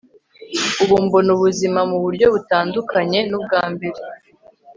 ubu mbona ubuzima muburyo butandukanye nubwa mbere